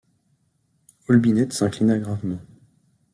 Olbinett s’inclina gravement.